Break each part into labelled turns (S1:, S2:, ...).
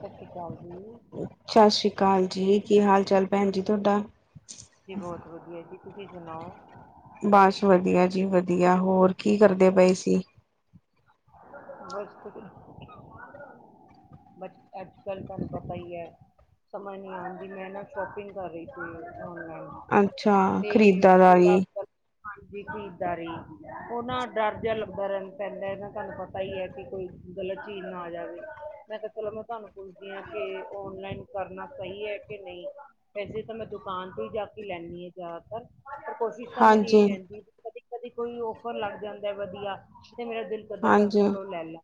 S1: ਸਤਿ ਸ਼੍ਰੀ ਅਕਾਲ ਜੀ
S2: ਸਤ ਸ੍ਰੀ ਕਾਲ ਜੀ। ਕੀ ਹਾਲ- ਚਾਲ ਭੈਣ ਜੀ, ਤੁਹਾਡਾ?
S1: ਜੀ ਬਹੁਤ ਵਧੀਆ ਜੀ, ਤੁਸੀਂ ਸੁਣਾਓ?
S2: ਬਸ ਵਧੀਆ ਜੀ, ਵਧੀਆ। ਹੋਰ, ਕੀ ਕਰਦੇ ਪਏ ਸੀ?
S1: ਬਸ ਬਟ ਅੱਜ-ਕੱਲ੍ਹ ਤਾਨੂੰ ਪਤਾ ਈ ਐ। ਸਮਝ ਨੀ ਆਉੰਦੀ ਮੈਂ ਨਾ ਸ਼ੋਪਿੰਗ ਕਰ ਰਹੀ ਸੀ। ਹੋ
S2: ਅੱਛਾ। ਖਰੀਦਾ ਦਾ ਵੀ
S1: ਅੱਜ-ਕੱਲ੍ਹ ਹਾਂਜੀ। ਖਰੀਦਦਾਰੀ ਓਹ ਨਾ ਡਰ ਜੇਹਾ ਲੱਗਦਾ ਰਰਿੰਦਾ ਪੈਂਦਾ ਨਾ ਤੁਹਾਨੂੰ ਪਤਾ ਹੀ ਹੈ। ਕਿ ਕੋਈ ਗਲਤ ਚੀਜ਼ ਨਾ ਆ ਜਾਵੇ। ਮੈਂ ਕਿਹਾ ਚਲੋ ਮੈਂ ਤੁਹਾਨੂੰ ਪੁੱਛਦੀ ਆਂ ਕੇ, ਔਨਲਾਈਨ ਕਰਨਾ ਸਹੀ ਏ? ਕੇ ਨਹੀਂ ਵੈਸੇ ਤੇ ਮੈਂ ਦੁਕਾਨ ਤੋਂ ਹੀ ਜਾ ਕੇ ਲੈਣੀ ਆਂ ਜ਼ਿਆਦਾਤਰ। ਪਰ ਕੋਸ਼ਿਸ਼ ਤਾਂ ਮੇਰੀ ਏਹੀ
S2: ਹਾਂਜੀ
S1: ਰੈੰਦੀ ਏ ਕਦੀ ਕਦੀ ਕੋਈ ਔਫਰ ਲੱਗ ਜਾਂਦੈ ਵਧੀਆ। ਤੇ ਮੇਰਾ ਦਿਲ ਕਰਦੈ ਮੈਂ
S2: ਹਾਂਜੀ
S1: ਚਲੋ ਲੈ ਲਾ।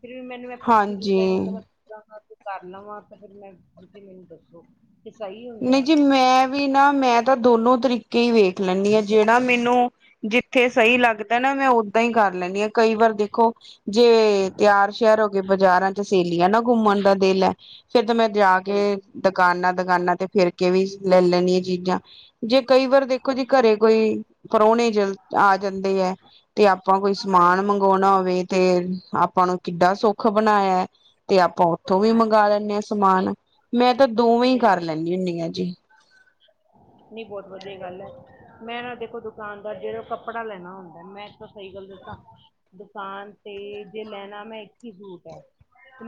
S1: ਫਿਰ ਵੀ ਮੈਨੂੰ ਮੈਂ ਪੁੱਛ ਪੀਸਾ ਐਨਾ ਤੋ
S2: ਹਾਂਜੀ
S1: ਮੈਂ ਖੀਦਾ ਖਾਦੀ ਕਰ ਲਵਾਂ ਤੇ ਫਿਰ ਮੈਂ, ਤੁਸੀਂ ਮੈਨੂੰ ਦੱਸੋ? ਕਿ ਸਹੀ ਹੁੰਦਾ
S2: ਨਹੀਂ
S1: ਹੈ
S2: ਜੀ, ਮੈਂ ਵੀ ਨਾ ਮੈਂ ਤਾਂ ਦੋਨੋ ਤਰੀਕੇ ਹੀ ਵੇਖ ਲੈਂਣੀ ਹਾਂ ਜੇੜਾ ਮੈਨੂੰ ਜਿੱਥੇ ਸਹੀ ਲੱਗਦਾ ਨਾ ਮੈਂ ਓਦਾਂ ਹੀ ਕਰ ਲੈਣੀ ਆਂ। ਕਈ ਵਾਰ ਦੇਖੋ ਜੇ ਤਿਆਰ ਸ਼ਿਆਰ ਹੋ ਗੇ ਬਜ਼ਾਰਾਂ ਚ ਸਹੇਲੀਆਂ ਨਾ ਘੁੰਮਣ ਦਾ ਦਿਲ ਹੈ, ਫੇਰ ਤਾਂ ਮੈਂ ਜਾ ਕੇ
S1: ਸਹੀ
S2: ਦਕਾਨਾਂ ਦਕਾਨਾ ਫੇਰ ਕੇ ਵੀ ਲੈ ਲੈਣੀ ਆ ਚੀਜ਼ਾਂ, ਜੇ ਕਈ ਵਾਰ ਦੇਖੋ ਜੀ ਘਰੇ ਕੋਈ ਪ੍ਰੋਹਣੇ ਜਲ ਆ ਜਾਂਦੇ ਐ, ਤੇ ਆਪਾਂ ਕੋਈ ਸਮਾਨ
S1: ਹਾਂਜੀ
S2: ਮੰਗੋਣਾ ਹੋਵੇ ਤੇ ਆਪਾਂ ਨੂੰ ਕਿੱਡਾ ਸੁੱਖ ਬਣਾਯੈ ਤੇ ਆਪਾਂ ਉੱਥੋਂ ਵੀ
S1: ਹਾਂਜੀ
S2: ਮੰਗਾ ਲੈਂਣੇ ਆਂ। ਸਮਾਨ, ਮੈਂ ਤਾਂ ਦੋਵੇਂ ਹੀ
S1: ਸਹੀ
S2: ਕਰ ਲੈਣੀ ਹੁਣੀ ਆ ਜੀ।
S1: [inaudible] ਨਹੀਂ ਬਹੁਤ ਵਧੀਆ ਗੱਲ ਐ, ਮੈਂ ਨਾ ਦੇਖੋ ਦੁਕਾਨਦਾਰ ਜਿਹੜੇ ਕੋ ਕੱਪੜਾ ਲੈਣਾ ਹੁੰਦੈ, ਮੈਂ ਤਾਂ ਸਹੀ ਗੱਲ ਦੱਸ ਸਾ ਦੁਕਾਨ ਤੇ ਜੇ ਲੈਣਾ ਮੈਂ ਇੱਕ ਈ ਸੂਟ ਹੈ।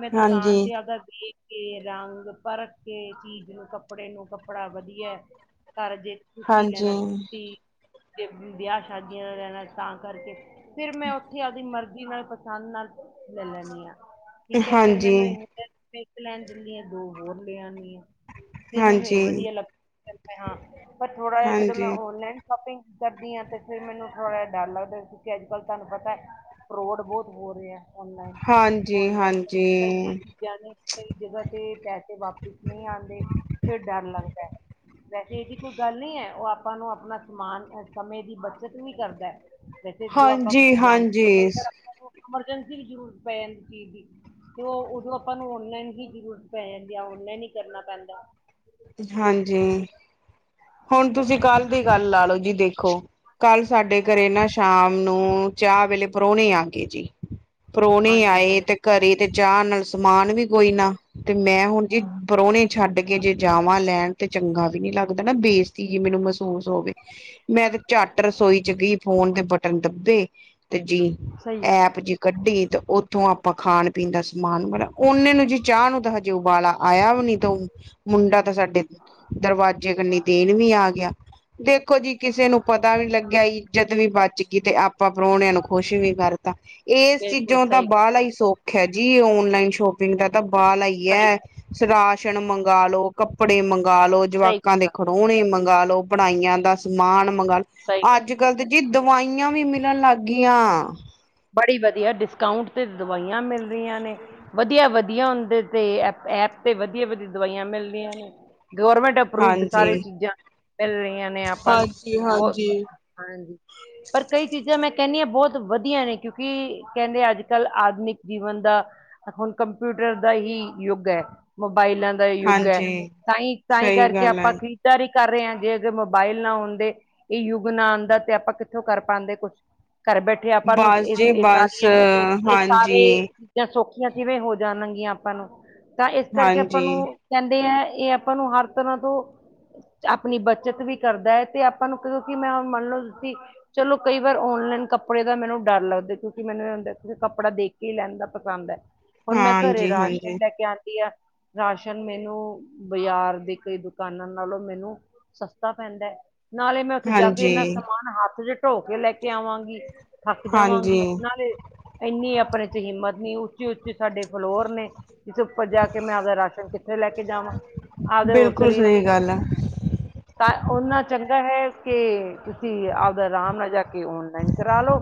S1: ਮੈਂ
S2: ਜੀ
S1: ਦੁਕਾਨ ਤੇ ਆਬਦਾ ਵੇਖ ਕੇ ਰੰਗ ਪਰਖ ਕੇ, ਚੀਜ਼ ਨੂੰ, ਕੱਪੜੇ ਨੂੰ, ਕੱਪੜਾ ਵਧੀਐ ਸਾਰਾ ਜੇ ਸੁੱਤੀ
S2: ਹਾਂਜੀ
S1: ਲੈਣਾ ਸੁੁੱਤੀ ਵਿਆਹ ਸ਼ਾਦੀਆਂ ਦਾ ਰਹਿਣਾ ਤਾਂ ਕਰਕੇ ਫਿਰ ਮੈਂ ਉੱਥੇ ਆਪਦੀ ਮਰਜ਼ੀ ਨਾਲ ਪਸੰਦ ਨਾਲ ਲ ਲਣੀਆਂ ਠੀਕ ਹੈ ਫਿਰ
S2: ਹਾਂਜੀ
S1: ਮੈਨੂੰ ਇੰਗਲੈਂ ਇੱਕ ਲੈਂਨ ਦੇਦੀ ਆ ਦੋ ਹੋਰ ਲੈ ਆਦੀ ਆ ਫਿਰ ਮੈਨੂੰ ਇਹ
S2: ਹਾਂਜੀ
S1: ਵਧੀਆ ਲੱਗਦਾ ਹਾਂ ਪਰ ਥੋੜਾ
S2: ਹਾਂਜੀ
S1: ਜਿਹਾ ਜਦੋਂ ਮੈਂ
S2: ਹਾਂਜੀ
S1: ਆਨਲਾਈਨ ਸ਼ੋਪਿੰਗ ਕਰਦੀ ਹਾਂ ਤੇ ਫੇਰ ਮੈਨੂੰ ਥੋੜਾ ਜਿਹਾ ਡਰ ਲੱਗਦਾ। ਕਿਉਕਿ ਅੱਜ ਕੱਲ੍ਹ ਤੁਹਾਨੂੰ ਪਤਾ ਹੈ। ਫਰੋਡ ਬਹੁਤ ਹੋ ਰਿਹਾ ਆਨਲਾਈਨ,
S2: ਹਾਂਜੀ
S1: ਆਨਲਾਈਨ ਕ
S2: ਹਾਂਜੀ
S1: ਕਈ ਚੀਜ਼ਾਂ ਨੇ ਕਈ ਜਗ੍ਹਾ ਤੇ ਪੈਸੇ ਵਾਪਿਸ ਨਹੀਂ ਆਉਂਦੇ ਫਿਰ ਡਰ ਲੱਗਦਾ ਹੈ। ਵੈਸੇ ਇਹਦੀ ਕੋਈ ਗੱਲ ਨੀ ਹੈ ਉਹ ਆਪਾਂ ਨੂੰ ਆਪਣਾ ਸਮਾਨ ਸਮੇ ਦੀ ਬੱਚਤ ਵੀ ਕਰਦਾ। ਏ ਵੈਸੇ ਜੋ
S2: ਹਾਂਜੀ-ਹਾਂਜੀ।
S1: ਐਮਰਜੈਂਸੀ ਵੀ ਜ਼ਰੂਰਤ ਪੈ ਜਾਂਦੀ ਚੀਜ਼ ਦੀ ਤੇ ਉਹ ਉਦੋਂ ਆਪਾਂ ਨੂੰ ਆਨਲਾਈਨ ਹੀ ਜ਼ਰੂਰਤ ਪੈ ਜਾਂਦੀ ਆ ਇਨਾ ਨੀ ਕਰਨਾ ਪੈਂਦਾ
S2: ਹਾਂਜੀ, ਹੁਣ ਤੁਸੀਂ ਕੱਲ੍ਹ ਦੀ ਗੱਲ ਲਾ ਲੋ ਜੀ ਦੇਖੋ ਕੱਲ੍ਹ ਸਾਡੇ ਘਰੇ ਨਾ ਸ਼ਾਮ ਨੂੰ ਚਾਹ ਵੇਲੇ ਪ੍ਰਾਹੁਣੇ ਆ ਗਏ ਜੀ, ਪ੍ਰਾਹੁਣੇ
S1: ਹਾਂਜੀ
S2: ਆਏ
S1: ਹਾਂਜੀ
S2: ਤੇ ਘਰੇ ਤੇ ਚਾਹ ਨਾਲ ਸਮਾਨ ਵੀ ਕੋਈ ਨਾ ਤੇ ਮੈਂ ਹੁਣ ਜੀ ਪ੍ਰੋਹਣੇ ਛੱਡ ਕੇ ਜੇ ਜਾਵਾਂ ਲੈਣ ਤੇ ਚੰਗਾ ਵੀ ਨੀ ਲੱਗਦਾ ਨਾ ਬੇਸਤੀ ਜੀ ਮੈਨੂੰ ਮਸੁਸ ਮਹਿਸੂਸ ਹੋਵੇ ਮੈਂ ਤੇ ਝੱਟ ਰਸੋਈ ਚ ਗਈ ਫੋਨ ਦੇ ਬਟਨ ਦੱਬੇ ਤੇ ਜੀ
S1: ਸਹੀ ਗੱਲ ਹੈ,
S2: ਐਪ ਜੀ ਕੱਢੀ ਤੇ ਉੱਥੋਂ ਆਪਾਂ ਖਾਣ ਪੀਣ ਦਾ ਸਮਾਨ ਬੜਾ ੳਨੇ ਨੂੰ ਜੀ ਚਾਹ ਨੂੰ ਹਜੇ ਉਹ ੳਬਾਲਾ ਆਇਆ ਵੀ ਨੀ ਤੇ ਉਹ ਮੁੰਡਾ ਤਾਂ ਸਾਡੇ ਦਰਵਾਜ਼ੇ ਕਨੀ ਦੇਣ ਵੀ ਆ ਗਿਆ ਦੇ ਦੇਖੋ ਜੀ ਕਿਸੇ ਨੂੰ ਪਤਾ ਵੀ ਲੱਗਿਆ ਇੱਜਤ ਵੀ ਬਚ ਗਈ ਤੇ ਆਪ ਆਪਾਂ ਪ੍ਰਾਹੁਣਿਆਂ ਨੂੰ ਖੁਸ਼ ਵੀ ਕਰਤਾ ਇਸ
S1: ਬਿਲਕੁਲ
S2: ਚੀਜ਼ੋਂ ਦਾ
S1: ਸਹੀ
S2: ਬਾਹਲਾ
S1: ਗੱਲ
S2: ਹੀ
S1: ਹੈ,
S2: ਸੌਖ ਹੈ ਜੀ ਆਨਲਾਈਨ ਸ਼ੋਪਿੰਗ ਦਾ ਤਾਂ
S1: ਬਹੁਤ
S2: ਬਾਹਲਾ ਹੀ
S1: ਸਹੀ
S2: ਐ
S1: ਗੱਲ
S2: ਰਾਸ਼ਨ ਮੰਗ ਮੰਗਾ ਲੋ ਕੱਪੜੇ ਮੰਗਾਲੋ
S1: ਸਹੀ
S2: ਜਵਾਕਾਂ
S1: ਗੱਲ
S2: ਦੇ
S1: ਹੈ,
S2: ਖਿਢੌਣੇ ਮੰਗਾ ਲੋ ਪੜਾਈਆਂ ਦਾ ਸਮਾਨ
S1: ਸਹੀ ਗੱਲ
S2: ਅੱਜ
S1: ਹੈ।
S2: ਕੱਲ੍ਹ ਤਾਂ ਜੀ ਦਵਾਈਆਂ ਵੀ ਮਿਲਣ ਲੱਗ ਗਈਆਂ
S1: ਬੜੀ ਵਧੀਆ ਡਿਸਕਾਊਂਟ ਤੇ ਦਵਾਈਆਂ ਮਿਲ ਰਹੀਆਂ ਨੇ ਵਧੀਆ ਵਧੀਆ ਉਹਦੇ ਤੇ ਐਪ ਤੇ ਵਧੀਆ ਵਧੀਆ ਦਵਾਈਆਂ ਮਿਲਦੀਆਂ ਨੇ ਗਵਰਮੈਂਟ ਅਪਰੂਵਡ
S2: ਹਾਂਜੀ।
S1: ਸਾਰੇ ਚੀਜ਼ਾਂ ਮਿਲ ਰਹੀਆਂ ਨੇ ਆਪਾਂ ਨੂੰ
S2: ਹਾਂਜੀ
S1: ਬਹੁਤ
S2: ਹਾਂਜੀ।
S1: ਹਾਂਜੀ ਪਰ ਕਈ ਚੀਜ਼ਾਂ ਮੈਂ ਕਹਿੰਦੀ ਹਾਂ ਬਹੁਤ ਵਧੀਆ ਨੇ ਕਿਉਂਕਿ ਕਹਿੰਦੇ ਅੱਜ ਕੱਲ੍ਹ ਆਧੁਨਿਕ ਜੀਵਨ ਦਾ ਹੁਣ ਕੰਪਿਊਟਰ ਦਾ ਹੀ ਯੁੱਗ ਹੈ। ਮੋਬਾਇਲਾਂ ਦਾ ਯੁੱਗ ਹੈ
S2: ਹਾਂਜੀ
S1: ਤਾਂਹੀ ਤਾਂਹੀ
S2: ਸਹੀ
S1: ਕਰਕੇ
S2: ਗੱਲ ਹੈ
S1: ਆਪਾਂ ਖਰੀਦਾਰੀ ਕਰ ਰਹੇ ਹਾਂ ਜੇ ਅਗਰ ਮੋਬਾਇਲ ਨਾ ਆਉਂਦੇ ਇਹ ਯੁੱਗ ਨਾ ਆਉਂਦਾ ਤੇ ਆਪਾਂ ਕਿੱਥੋਂ ਕਰ ਪਾਉਂਦੇ ਕੁਛ ਘਰ ਬੈਠੇ ਆਪਾਂ ਨੂੰ
S2: ਬਸ
S1: ਇਹ
S2: ਜੀ
S1: ਇਹ
S2: ਬਸ
S1: ਸਾਰੀਆਂ ਇਹ ਸਾਰੇ
S2: ਹਾਂਜੀ।
S1: ਚੀਜ਼ਾਂ ਸੌਖੀਆਂ ਕਿਵੇਂ ਹੋ ਜਾਣਗੀਆਂ ਆਪਾਂ ਨੂੰ ਤਾਂ ਇਸ ਕਰਕੇ ਆਪਾਂ
S2: ਹਾਂਜੀ
S1: ਨੂੰ ਕਹਿੰਦੇ ਆ। ਇਹ ਆਪਾਂ ਨੂੰ ਹਰ ਤਰ੍ਹਾਂ ਤੋਂ। ਆਪਣੀ ਬੱਚਤ ਵੀ ਕਰਦਾ ਹੈ ਤੇ ਆਪਾਂ ਨੂੰ ਕਹੋ ਮੈਂ ਹੁਣ ਮੰਨ ਲਓ ਕਿ ਚਲੋ ਕਈ ਵਾਰ ਔਨਲਾਨ ਕੱਪੜੇ ਦਾ ਮੈਨੂੰ ਡਰ ਲੱਗਦਾ ਕਿਉਂਕਿ ਮੈਨੂੰ ਇਹ ਹੁੰਦਾ ਕੱਪੜਾ ਦੇਖ ਕੇ ਲੈਣਾ ਪਸੰਦ ਹੈ। ਹੁਣ ਮੈਂ ਘਰੇ
S2: ਹਾਂਜੀ
S1: ਰਾਸ਼ਨ
S2: ਹਾਂਜੀ
S1: ਲੈ ਕੇ ਆਉਂਦੀ ਆ। ਰਾਸ਼ਨ ਮੈਨੂੰ ਬਾਜ਼ਾਰ ਦੇ ਕਈ ਦੁਕਾਨਾਂ ਨਾਲੋਂ ਮੈਨੂੰ ਸਸਤਾ ਪੈਂਦਾ ਹੈ। ਨਾਲੇ ਮੈਂ ਉੱਥੇ ਜਾ ਕੇ ਇਨਾ
S2: ਹਾਂਜੀ
S1: ਸਮਾਨ ਹੱਥ ਚ ਢੋ ਕੇ ਲੈ ਕੇ ਆਵਾਂਗੀ। ਥੱਕ ਜਾਵਾਂਗੀ
S2: ਹਾਂਜੀ।
S1: ਨਾਲੇ ਇੰਨੀ ਆਪਣੇ ਚ ਹਿੰਮਤ ਨ ਉੱਚੇ ਉੱਚੇ ਸਾਡੇ ਫਲੋਰ ਨੇ। ਕਿਸ ਉੱਪਰ ਜਾ ਕੇ ਮੈਂ ਆਪਦਾ ਰਾਸ਼ਨ ਕਿੱਥੇ ਲੈ ਕੇ ਜਾਵਾਂ। ਆਪਦੇ ਹੋਰ
S2: ਬਿਲਕੁਲ
S1: ਸਰੀਰ
S2: ਸਹੀ ਗੱਲ ਹੈ
S1: ਤਾਂ- ਓਨਾ ਚੰਗਾ ਹੈ ਕਿ ਤੁਸੀਂ ਆਪਦਾ ਆਰਾਮ ਨਾਲ ਜਾ ਕੇ ਓਨਲਾਈਨ ਕਰਾ ਲਓ।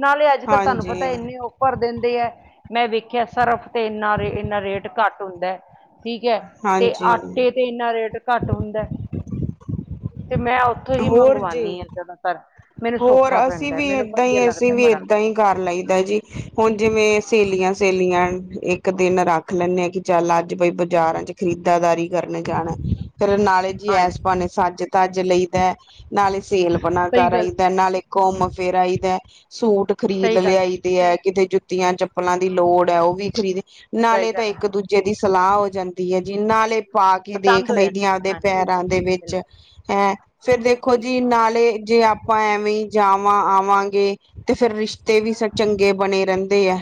S1: ਨਾਲੇ ਅੱਜ ਕੱਲ੍ਹ ਤੁਹਾਨੂੰ ਪਤਾ
S2: ਹਾਂਜੀ
S1: ਇੰਨੇ ਉੱਪਰ ਦਿਨ। ਮੈਂ ਵੇਖਿਆ ਸਰਫ ਤੇ ਇੰਨਾ ਇੰਨਾ ਰੇਟ ਘੱਟ ਹੁੰਦਾ। ਠੀਕ ਹੈ ਤੇ
S2: ਹਾਂਜੀ
S1: ਆਟੇ ਤੇ ਇਨਾ ਰੇਟ ਘੱਟ ਹੁੰਦਾ। ਤੇ ਮੈਂ ਉੱਥੋਂ ਹੀ
S2: ਹੋਰ ਜੀ।
S1: ਮੰਗਵਾਉਾਨੀ ਹਾਂ ਜਿਆਦਾਤਰ ਮੈਨੂੰ
S2: ਹੋਰ
S1: ਸੌਖਾ
S2: ਅਸੀਂ
S1: ਪੈਂਦਾ
S2: ਵੀ
S1: ਮੈਨੂੰ।
S2: ਏਦਾਂ ਹੀ
S1: ਵਧੀਆ ਲੱਗਦਾ
S2: ਅਸੀਂ
S1: ਹੈ
S2: ਵੀ
S1: ਬੜਾ
S2: ਏਦਾਂ ਹੀ ਕਰ ਲਈਦਾ ਜੀ ਹੁਣ ਜਿਵੇਂ ਸਹੇਲੀਆਂ ਸਹੇਲੀਆਂ ਇੱਕ। ਇਕ ਦਿਨ ਰਖ ਲੈਨੇ ਆ ਕਿ ਚਲ ਅਜ ਬਈ ਬਾਜ਼ਾਰਾਂ ਚ ਖਰੀਦਾਦਾਰੀ ਕਰਨ ਜਾਣਾ। ਫੇਰ ਨਾਲੇ ਜੀ
S1: ਹਾਂਜੀ
S2: ਐਸ ਬਹਾਨੇ ਸੱਜ ਤੱਜ ਲਈਦਾ ਨਾਲੇ ਸਹੇਲ ਪਾਣਾ
S1: ਸਹੀ
S2: ਕਰ
S1: ਗੱਲ
S2: ਆਈਦਾ। ਨਾਲੇ ਘੁੰਮ ਫਿਰ ਆਈ ਦਾ ਸੂਟ ਖਰੀਦ
S1: ਸਹੀ ਗੱਲ
S2: ਲਿਆਈ ਦੇ ਹੈ। ਕਿਤੇ ਜੁਤੀਆਂ ਚੱਪਲਾਂ ਦੀ ਲੋੜ ਹੈ। ਉਹ ਵੀ ਖਰੀਦ
S1: ਸਹੀ
S2: ਨਾਲੇ ਤਾਂ
S1: ਗੱਲ ਹੈ
S2: ਇਕ ਦੂਜੇ ਦੀ। ਸਲਾਹ ਹੋ ਜਾਂਦੀ ਹੈ। ਜਿ ਨਾਲੇ। ਪਾ ਕੇ ਦੇਖ
S1: ਪਸੰਦ ਹੋ
S2: ਲਈਦੀਆਂ
S1: ਜਾਂਦੀ ਹੈ
S2: ਉਹਦੇ
S1: ਹਾਂਜੀ
S2: ਪੈਰਾ ਦੇ
S1: ਬਿਲਕੁਲ
S2: ਵਿਚ ਹੈ। ਫੇਰ ਦੇਖੋ ਜੀ ਨਾਲੇ ਜੇ ਆਪਾਂ। ਐਵੇ ਜਾਵਾ ਆਵਾਗੇ ਤੇ ਫਿਰ ਰਿਸ਼ਤੇ ਵੀ ਸ ਚੰਗੇ ਬਣੇ ਰਹਿਦੇ ਆ।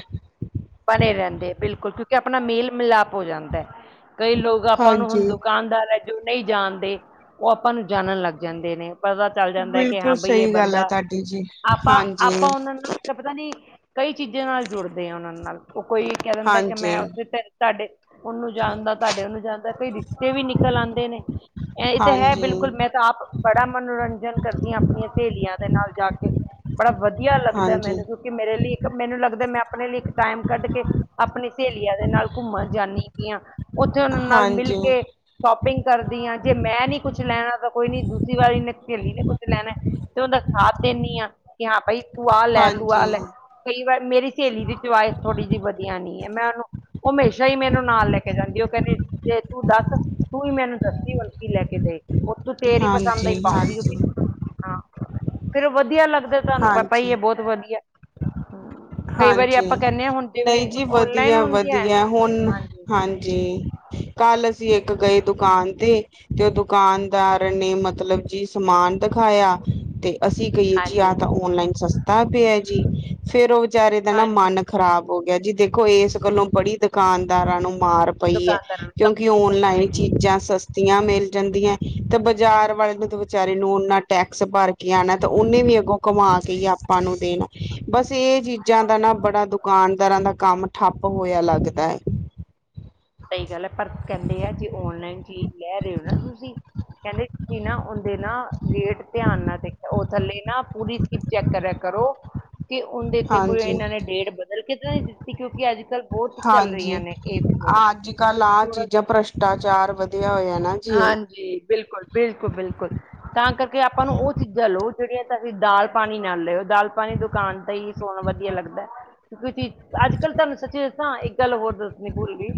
S1: ਬਣੇ ਰਹਿੰਦੇ ਬਿਲਕੁਲ ਕਿਉਕਿ ਆਪਣਾ ਮੇਲ ਮਿਲਾਪ ਹੋ ਜਾਦਾ ਹੈ। ਕਈ ਲੋਕ ਆਪਾਂ ਨੂੰ ਹੁਣ
S2: ਹਾਂਜੀ
S1: ਦੁਕਾਨਦਾਰ ਹੈ। ਨਹੀ ਜਾਣਦੇ, ਉਹ ਆਪਾ ਨੂੰ ਜਾਣਨ ਲਗ ਜਾਦੇ ਨੇ। ਪਤਾ ਚਲ ਜਾਦਾ ਕਿ ਹਾਂ
S2: ਬਿਲਕੁਲ
S1: ਬਈ ਇਹ
S2: ਸਹੀ ਗੱਲ ਹੈ
S1: ਬੰਦਾ
S2: ਤੁਹਾਡੀ ਜੀ
S1: ਆਪਾ-
S2: ਹਾਂਜੀ
S1: ਆਪਾ ਉਹਨਾਂ ਨਾਲ ਪਤਾ ਨੀ। ਕਈ ਚੀਜ਼ਾ ਨਾਲ ਜੁੜਦੇ ਆ ਉਹਨਾ ਨਾਲ ਉਹ ਕੋਈ ਕਹਿ ਦਿਦਾ ਕਿ ਮੈ
S2: ਹਾਂਜੀ
S1: ਉਥੇ ਤੁਹਾਡੇ। ਉਹਨੂੰ ਜਾਣਦਾ ਤੁਹਾਡੇ ਉਹਨੂੰ ਜਾਣਦਾ ਕਈ ਰਿਸ਼ਤੇ ਵੀ ਨਿਕਲ ਆਉਦੇ ਨੇ ਇਹ ਤਾਂ ਹੈ।
S2: ਹਾਂਜੀ
S1: ਬਿਲਕੁਲ ਮੈ ਤਾਂ ਆਪ ਬੜਾ ਮਨੋਰੰਜਨ ਕਰਦੀਆਂ ਆਪਣੀਆਂ ਸਹੇਲੀਆਂ ਦੇ ਨਾਲ ਜਾ ਕੇ ਬੜਾ ਵਧੀਆ ਲਗਦਾ
S2: ਹਾਂਜੀ ਹਾਂਜੀ
S1: ਮੈਨੂੰ ਕਿਉਕਿ ਮੇਰੇ ਲਈ ਇਕ ਮੈਨੂੰ ਲਗਦਾ ਮੈ ਆਪਣੇ ਲਈ ਇਕ। ਟਾਈਮ ਕਢ ਕੇ ਆਪਣੀ ਸਹੇਲੀਆਂ ਦੇ ਨਾਲ ਘੁੰਮਣ ਜਾਦੀ ਪੀਆਂ ਉਥੇ ਉਹਨਾਂ ਨਾਲ ਮਿਲ
S2: ਹਾਂਜੀ
S1: ਕੇ। ਸ਼ੋਪਿਗ ਕਰਦੀ ਹਾਂ ਜੇ ਮੈ ਨੀ ਕੁਛ ਲੈਣਾ ਤਾਂ ਕੋਈ ਨੀ ਦੂਸਰੀ ਵਾਰੀ ਸਹੇਲੀ ਨੇ ਕੁਛ ਲੈਣਾ ਤੇ ਉਹਦਾ। ਸਾਥ ਦਿਨੀ ਆ ਕਿ ਹਾਂ ਭਾਈ ਤੂੰ ਆਹ ਲੈ, ਤੂੰ ਆਹ ਲੈ, ਕਈ ਵਾਰ ਮੇਰੀ ਸਹੇਲੀ ਦੇ। ਥੋੜ੍ਹੀ ਜਿਹੀ ਵਧੀਆ ਨਹੀ ਮੈਂ ਉਹਨੂੰ ਉਹ ਹਮੇਸ਼ਾ ਹੀ ਮੈਨੂੰ ਨਾਲ ਲੈ ਕੇ ਜਾਦੀ ਉਹ ਕਹਿਦੀ ਜੇ ਤੂੰ ਦਸ ਤੂੰ ਹੀ ਮੈਨੂੰ ਦੱਸੀ। ਲੈ ਕੇ ਦੇ ਉਥੋ ਤੇਰੀ ਹੀ ਪਸੰਦ ਆਈ
S2: ਹਾਂਜੀ
S1: ਪਾਉਗੀ
S2: ਹਾਂਜੀ
S1: ਹਾਂ ਫੇਰ ਵਧੀਆ ਲਗਦਾ। ਤੁਹਾਨੂੰ ਪਤਾ ਹੀ
S2: ਹਾਂਜੀ
S1: ਹੈ। ਬਹੁਤ ਵਧੀਆ ਕਈ ਵਾਰੀ ਆਪਾ।
S2: ਨਹੀ ਜੀ ਵਧੀਆ- ਵਧੀਆ ਹੁਣ
S1: ਹਾਂਜੀ
S2: ਹਾਂਜੀ। ਕਲ ਅਸੀ ਇਕ ਗਏ ਦੁਕਾਨ ਤੇ ਤੇ ਉਹ ਦੁਕਾਨਦਾਰ ਨੇ ਮਤਲਬ। ਜੀ ਸਮਾਨ ਦਿਖਾਇਆ ਤੇ ਅਸੀ ਆਹ
S1: ਹਾਂਜੀ
S2: ਤਾਂ ਓਨਲਾਈਨ ਸਸਤਾ ਪਿਆ ਹੈ। ਜੀ ਫੇਰ ਉਹ ਵਿਚਾਰੇ ਦਾ ਨਾ ਮਨ
S1: ਹਾਂਜੀ
S2: ਖਰਾਬ ਹੋ ਗਿਆ। ਜੀ ਦੇਖੋ ਇਸ ਗਲੋ ਬੜੀ ਦੁਕਾਨਦਾਰਾ ਨੂੰ। ਮਾਰ ਪਈ ਹੈ।
S1: ਦੁਕਾਨਦਾਰਾਂ ਨੂੰ
S2: ਕਿਉਕਿ
S1: ਕੰਪਨੀ
S2: ਓਨਲਾਈਨ
S1: ਹੈਗੀ ਹੈ
S2: ਚੀਜਾ ਸਸ ਆਂ ਮਿਲ ਜਾਦੀਆਂ ਤੇ ਬਾਜਾਰ ਵਾਲੇ ਨੂੰ ਵਿਚਾਰੇ ਨੂੰ ਨਾ ਟੈਕਸ ਭਰ ਕੇ ਆਉਣਾ ਤੇ ਉਹਨੇ ਵੀ। ਕਮਾ ਕੇ ਹੀ ਆਪਾ ਨੂੰ ਦੇਣਾ ਬਸ ਇਹ ਚੀਜਾ ਦਾ ਨਾ ਬੜਾ ਦੁਕਾਨਦਾਰਾ ਦਾ ਕੰਮ ਠੱਪ। ਠੱਪ ਹੋਇਆ ਲਗਦਾ ਹੈ।
S1: ਸਹੀ ਕਹਿ ਰਹੇ ਹੋ ਨਾ ਤੁਸੀ? ਕਹਿਦੇ ਤੁਸੀ ਨਾ ਉਹਦੇ ਨਾ ਰੇਟ ਧਿਆਨ ਨਾਲ ਦੇਖਿਓ ਉਹ ਥਲੇ ਨਾ ਪੂਰੀ ਚਿਪ ਚੈਕ ਕਰ। ਕਰੋ- ਕਿ ਉਹਦੇ ਤੇ ਕੋਈ
S2: ਹਾਂਜੀ
S1: ਇਹਨਾਂ ਨੇ ਡੇਟ ਬਦਲ ਕੇ ਤਾਂ ਨਹੀਂ ਦਿਤੀ ਕਿਉਕਿ ਅਜ ਕਲ ਬਹੁਤ ਚਲ ਰਹੀਆਂ
S2: ਹਾਂਜੀ
S1: ਨੇ ਇਹ ਫਰੋਡ
S2: ਅੱਜ ਕਲ ਆਹ ਚੀਜਾ
S1: ਥੋੜਾ
S2: ਭ੍ਰਿਸ਼ਟਾਚਾਰ ਵਧਿਆ ਹੋਇਆ ਨਾ ਜੀ।
S1: ਹਾਂਜੀ ਬਿਲਕੁਲ ਬਿਲਕੁਲ ਬਿਲਕੁਲ ਤਾਂ ਕਰਕੇ ਆਪਾ ਨੂੰ ਉਹ ਚੀਜਾ ਲੋ ਜਿਹੜੀਆਂ ਤਾਂ ਤੁਸੀ ਦਾਲ ਪਾਣੀ ਨਾਲ ਲੈਓ ਦਾਲ ਪਾਣੀ ਦੁਕਾਨ ਦਾ ਹੀ ਸੋਹਣਾ ਵਧੀਆ ਲਗਦਾ ਕਿਉਕਿ ਤੁਸੀ ਅੱਜ ਕਲ ਤੁਹਾਨੂੰ ਸਚੀ ਦਸਾਂ ਇਕ ਗਲ ਹੋਰ ਦਸਣੀ ਭੁਲਗਈ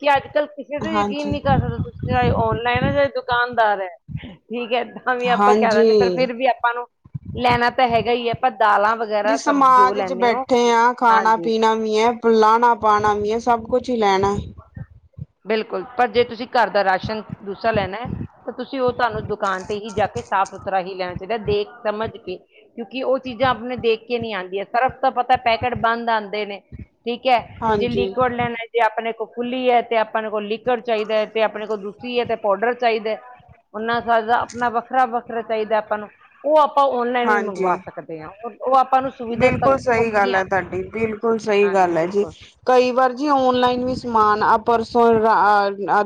S1: ਕਿ ਅੱਜ ਕੱਲ ਕਿਸੇ ਤੇ ਯਕੀਨ
S2: ਹਾਂਜੀ
S1: ਨਹੀ ਕਰ ਸਕਦੇ ਤੁਸੀ ਚਾਹੇ ਔਨਲਾਈਨ ਹੈ ਚਾਹੇ ਦੁਕਾਨਦਾਰ ਹੈ। ਠੀਕ ਹੈ। ਏਦਾ ਵੀ ਆਪਾਂ ਕਹਿ ਲਿਦੇ ਪਰ
S2: ਹਾਂਜੀ
S1: ਫਿਰ ਵੀ ਆਪਾ ਨੂੰ ਲੈਣਾ ਤਾਂ ਹੈਗਾ ਹੀ ਹੈ। ਆਪਾ ਦਾਲਾ ਵਗੈਰਾ
S2: ਜਿਸ
S1: ਸਬ ਜੋ
S2: ਸਮਾਜ ਚ
S1: ਲੈਦੇ ਹੋ ਹਾਂਜੀ।
S2: ਪੁਲਾਣਾ ਪਾਉਣਾ ਮੈ ਸਭ ਕੁਛ ਹੀ ਲੈਣਾ
S1: ਬਿਲਕੁਲ ਪਰ ਜੇ ਤੁਸੀ ਘਰ ਦਾ ਰਾਸ਼ਨ ਤੂਸਾ ਲੈਣਾ ਹੈ। ਤਾਂ ਤੁਸੀ ਉਹ ਤੁਹਾਨੂੰ ਦੁਕਾਨ ਤੇ ਹੀ ਜਾ ਸਾਫ਼ ਸੁਥਰਾ ਹੀ ਲੈਣਾ ਚਾਹੀਦਾ ਦੇਖ ਸਮਝ ਕੇ ਕਿਉਕਿ ਉਹ ਚੀਜਾ ਆਪਣੇ ਦੇਖ ਕੇ ਨਹੀ ਆਉਦੀਆਂ ਸਰਫ ਤਾਂ ਪਤਾ ਪੈਕੇਟ ਬਣ ਆਉਦੇ ਨੇ ਠੀਕ ਹੈ। ਜੇ
S2: ਹਾਂਜੀ
S1: ਲਿਕੁਡ ਲਿੰਕਵੈਡ ਲੈਣਾ ਜੇ ਆਪਣੇ ਕੋਲ ਖੁਲੀ ਹੈ ਤੇ ਆਪ ਆਪਣੇ ਕਲ ਲੀਕਵੈਡ ਚਾਹੀਦਾ ਹੈ। ਤੇ ਆਪਣੇ ਕੋਲ ਦੂਸਰੀ ਹੈ। ਤੇ ਪਾਊਡਰ ਚਾਹੀਦਾ ਉਹਨਾ ਆਪਣਾ ਵਖਰਾ- ਵਖਰਾ ਚਾਹੀਦਾ ਆਪਾ ਨੂੰ ਉਹ ਆਪਾ ਆਪਾ ਔਨਲਾਈਨ ਵੀ ਮੰਗਵਾ
S2: ਹਾਂਜੀ
S1: ਸਕਦੇ ਹਾਂ ਉਹ ਆਪਾ ਨੂੰ ਸੁਵਿਧਾ ਤ
S2: ਬਿਲਕੁਲ
S1: ਸਔਖੀਆਂ ਹਾ।
S2: ਗਲ ਹੈ। ਜੀ ਕਈ ਵਾਰ ਜੀ ਓਨਲਾਈਨ ਵੀ ਸਮਾਨ ਆਪ ਪਰ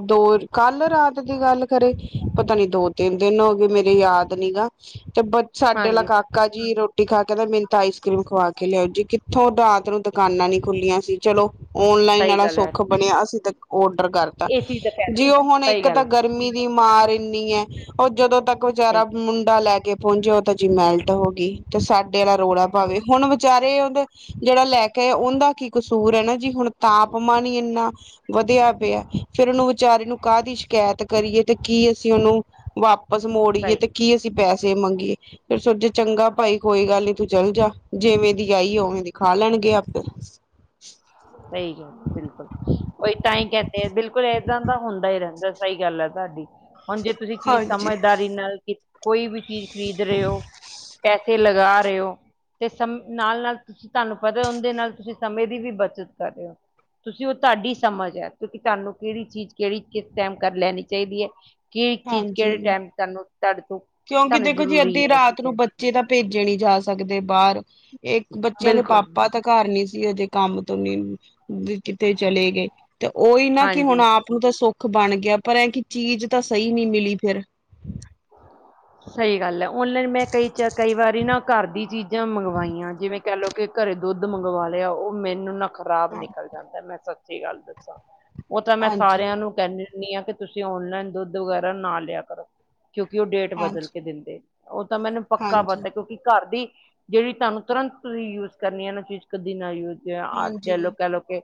S2: ਦੋ-ਕੱਲ ਰਾਤ ਦੀ ਗੱਲ ਕਰੇ, ਪਤਾ ਨੀ ਦੋ-ਤਿੰਨ ਦਿਨ ਹੋ ਗਏ ਮੇਰੇ ਯਾਦ ਨੀ ਗਾ, ਤੇ ਬ ਸਾਡੇ ਆਲਾ
S1: ਹਾਂਜੀ ਹਾਂ,
S2: ਕਾਕਾ ਜੀ ਰੋ ਰੋਟੀ ਖਾ ਕਹਿੰਦਾ ਮੈਨੂੰ ਤਾਂ ਆਈਸ ਕਰ੍ਰੀਮ ਖਵਾ ਕੇ ਲਿਆਓ ਜੀ ਕਿੱਥੋਂ ਰਾਤ ਨੂੰ ਦੁਕਾਨਾਂ ਨੀ ਖੁੱਲੀਆਂ ਸੀ ਚਲੋ। ਓਨਲਾਈਨ
S1: ਸਹੀ
S2: ਵਾਲਾ
S1: ਗੱਲ ਹੈ
S2: ਸੁੱਖ ਬਣਿਆ ਅਸੀਂ ਤੇ ਔਡਰ ਕਰਤਾ,
S1: ਇਹ ਚੀਜ਼ ਦਾ ਫਾਇਦਾ
S2: ਜੇ
S1: ਹੁੰਦਾ
S2: ਉਹ
S1: ਹੈ,
S2: ਹੁਣ
S1: ਸਹੀ
S2: ਇੱਕ
S1: ਗੱਲ
S2: ਤਾਂ ਗਰਮੀ ਦੀ ਮਾਰ ਇੰਨੀ ਹੈ, ਉਹ ਜਦੋਂ ਤੱਕ
S1: ਸਹੀ
S2: ਵਿਚਾਰਾ
S1: ਗੱਲ
S2: ਮੁੰਡਾ ਲੈ ਕੇ ਪਹੁੰਚੇ ਜੀ ਮਿਲਟ ਹੋ ਗਈ ਤੇ ਸਾਡੇ ਵਾਲਾ ਰੌਲਾ ਪਾਵੇ ਹੁਣ ਵਿਚਾਰੇ ਉਹਦਾ ਜਿਹੜਾ ਲੈ ਕੇ ਆ ਉਹਦਾ ਉਹਦਾ ਕੀ ਕਸੂਰ ਹੈ ਨਾ ਜੀ ਹੁਣ ਤਾਪਮਾਨ ਹੀ ਇੰਨਾ ਵਧਿਆ ਪਿਆ, ਫ਼ੇਰ ਉਹਨੂੰ ਵਿਚਾਰੇ ਨੂੰ ਕਾਹ ਦੀ ਸ਼ਿਕਾਇਤ ਕਰੀਏ ਤੇ ਕੀ ਅਸੀਂ ਉਹਨੂੰ ਵਾਪਸ ਮੋੜੀਏ
S1: ਸਹੀ
S2: ਤੇ
S1: ਗੱਲ,
S2: ਕੀ ਅਸੀਂ ਪੈਸੇ ਮੰਗੀਏ। ਫਿਰ ਸੋਚਿਆਂ ਚੰਗਾ ਭਾਈ ਕੋਈ ਗੱਲ ਨੀ ਤੂੰ ਚੱਲ ਜਾ, ਜਿਵੇਂ ਦੀ ਆਈ ਉਵੇਂ ਦੀ ਖਾ ਲੈਣਗੇ ਆਪੇ।
S1: [inaudible] ਸਹੀ ਗੱਲ, ਬਿਲਕੁਲ ਤਾਂਹੀ ਕਹਿੰਦੇ ਆ ਬਿਲਕੁਲ ਏਦਾਂ ਦਾ ਹੁੰਦਾ ਹੀ ਰਹਿੰਦਾ ਸਹੀ ਗੱਲ ਹੈ ਤੁਹਾਡੀ। ਹੁਣ ਜੇ ਤੁਸੀਂ ਚੀਜ਼
S2: ਹਾਂਜੀ
S1: ਸਮਝਦਾਰੀ ਨਾਲ ਕੋਈ ਵੀ ਚੀਜ਼ ਖਰੀਦ ਰਹੇ ਹੋ ਤੇ ਲਗਾ ਰਹੇ ਹੋ, ਤੇ ਸਮ ਨਾਲ-ਨਾਲ ਤੁਸੀਂ ਤੁਹਾਨੂੰ, ਪਤਾ ਉਹਦੇ ਨਾਲ ਤੁਸੀਂ ਸਮੇਂ ਦੀ ਵੀ ਬ ਚਿੱਤ ਕਰ ਰਿਹਾ। ਤੁਸੀਂ ਉਹ ਤੁਹਾਡੀ ਸਮਝ ਹੈ ਕਿਉਂਕਿ ਤੁਹਾਨੂੰ ਕਿਹੜੀ ਚੀਜ਼ ਕਿਹੜੀ ਕਿਸ ਟਾਈਮ ਕਰ ਲੈਣੀ ਚਾਹੀਦੀ ਹੈ। ਕਿਹੜੀ ਚੀਜ਼, ਕਿਹੜੇ
S2: ਹਾਂਜੀ
S1: ਟਾਈਮ ਤੁਹਾਨੂੰ ਤੁਹਾਡੇ ਤੋਂ
S2: ਕਿਉਂਕਿ
S1: ਤੁਹਾਨੂੰ
S2: ਦੇਖੋ ਜੀ,
S1: ਜ਼ਰੂਰੀ
S2: ਅੱਧੀ
S1: ਹੈ
S2: ਰਾਤ
S1: ਠੀਕ
S2: ਨੂੰ
S1: ਹੈ
S2: ਬੱਚੇ ਤਾਂ ਭੇਜੇ ਨਹੀਂ ਜਾ ਸਕਦੇ ਬਾਹਰ। ਇਹ ਬੱਚਿਆਂ ਦੇ
S1: ਬਿਲਕੁਲ
S2: ਪਾਪਾ ਤਾਂ ਘਰ ਨੀ ਸੀ। ਉਹਦੇ ਕੰਮ ਤੋਂ ਨੀ ਕਿਥੇ ਚਲੇ ਗਏ। ਤੇ ਉਹੀ ਨਾ, ਕਿ ਹੁਣ
S1: ਹਾਂਜੀ
S2: ਆਪ ਨੂੰ ਤਾਂ ਸੁਖ ਬਣ ਗਿਆ ਪਰ ਐ ਕਿ ਚੀਜ਼ ਤਾਂ ਸਹੀ ਨਹੀਂ ਮਿਲੀ ਫਿਰ
S1: ਸਹੀ ਗੱਲ ਹੈ। ਓਨਲਾਈਨ ਮੈਂ ਕਈ ਚ ਕਈ ਵਾਰੀ ਨਾ ਘਰ ਦੀ ਚੀਜ਼ਾਂ ਮੰਗਵਾਈਆਂ ਜਿਵੇਂ। ਕਹਿ ਲਓ ਕਿ ਘਰੇ ਦੁੱਧ ਮੰਗਵਾ ਲਿਆ, ਉਹ ਮੈਨੂੰ ਨਾ ਖ਼ਰਾਬ ਨਿਕਲ ਜਾਂਦਾ ਮੈਂ ਸੌਂ ਗੱਲ ਦੱਸਾਂ, ਉਹ ਤਾਂ ਮੈਂ
S2: ਹਾਂਜੀ
S1: ਸਾਰਿਆਂ ਨੂੰ ਕਹਿੰਦੀ ਆ ਕਿ ਤੁਸੀਂ ਓਨਲਾਈਨ ਦੁੱਧ ਵਗੈਰਾ ਨਾ ਲਿਆ ਕਰੋ, ਕਿਉਂਕਿ ਉਹ ਡੇਟ ਬਦਲ
S2: ਹਾਂਜੀ
S1: ਕੇ ਦਿੰਦੇ। ਉਹ ਤਾਂ ਮੈਨੂੰ ਪੱਕਾ
S2: ਹਾਂਜੀ
S1: ਪਤਾ, ਕਿਉਂਕਿ ਘਰ ਦੀ ਜਿਹੜੀ ਤੁਹਾਨੂੰ ਤੁਰੰਤ ਹੀ ਯੂਜ ਕਰਨੀ ਹੈ
S2: ਹਾਂਜੀ
S1: ਨਾ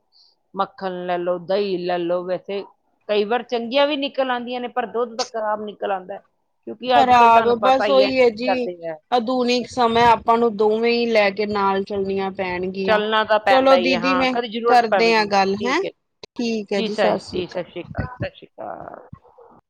S1: ਮੱਖਣ ਲੇਲੋ, ਦਹੀਂ ਲੇਲੋ, ਵੈਸੇ ਕਈ ਵਾਰ ਚੰਗੀਆਂ ਵੀ ਨਿਕਲ ਆਉਂਦੀਆਂ ਨੇ, ਪਰ ਦੁੱਧ ਤਾਂ ਖ਼ਰਾਬ ਨਿਕਲ ਆਉਂਦਾ। ਕਿਉਂਕਿ ਅੱਜ ਕੱਲ
S2: ਖ਼ਰਾਬ
S1: ਤੁਹਾਨੂੰ ਪਤਾ
S2: ਬਸ
S1: ਹੀ
S2: ਉਹੀ ਹੈ ਜੀ,
S1: ਕਰਦੇ ਹੈ
S2: ਆਧੁਨਿਕ ਸਮਯ ਆਪਾਂ ਨੂੰ ਦੋ ਵੇਂ ਹੀ ਲੈ ਕੇ ਨਾਲ ਚੱਲਣੀਆਂ। ਪੈਣਗੀਆਂ।
S1: ਚੱਲਣਾ ਤਾਂ ਪੈਂਦਾ
S2: ਚਲੋ
S1: ਹੀ ਹੈ
S2: ਦੀਦੀ
S1: ਹਾਂ
S2: ਮੈਂ
S1: ਕਦੇ ਜ਼ਰੂਰਤ
S2: ਕਰਦੇ ਹਾਂ
S1: ਪਵੇਗੀ
S2: ਗੱਲ ਹੈਂ।
S1: ਠੀਕ ਹੈ
S2: ਠੀਕ ਹੈ ਜੀ,
S1: ਸਰ
S2: ਸਤਿ ਸ੍ਰੀ
S1: ਜੀ ਸ਼੍ਰੀ
S2: ਅਕਾਲ।
S1: ਸਤਿ ਸ਼੍ਰੀ ਅਕਾਲ